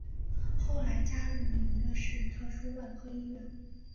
后来加入纽约市特殊外科医院。